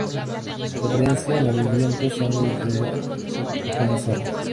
Su apariencia y movimientos son los de un pequeño zorro.